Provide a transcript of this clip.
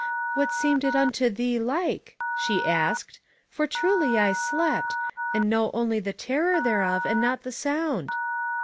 What seemed it unto thee like, she asked, for truly I slept, and know only the terror thereof and not the sound?